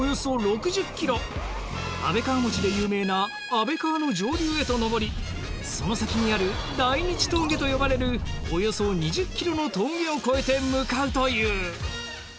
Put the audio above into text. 安倍川もちで有名な安倍川の上流へと上りその先にある大日峠と呼ばれるおよそ２０キロの峠を越えて向かうという。